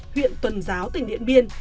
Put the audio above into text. huyện tuần giáo tỉnh điện biên